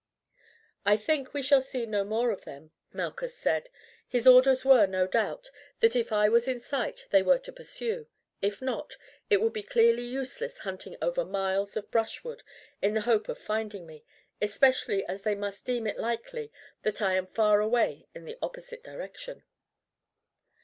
"I think we shall see no more of them," Malchus said. "His orders were, no doubt, that if I was in sight they were to pursue, if not, it would be clearly useless hunting over miles of brushwood in the hope of finding me, especially as they must deem it likely that I am far away in the opposite direction."